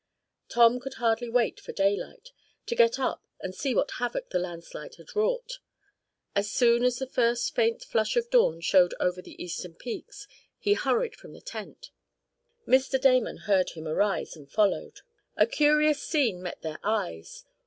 Tom could hardly wait for daylight, to get up and see what havoc the landslide had wrought. As soon as the first faint flush of dawn showed over the eastern peaks, he hurried from the tent. Mr. Damon heard him arise, and followed. A curious scene met their eyes.